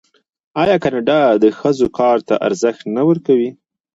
آیا کاناډا د ښځو کار ته ارزښت نه ورکوي؟